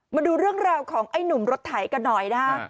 มาดูเรื่องราวของไอ้หนุ่มรถไถกันหน่อยนะฮะ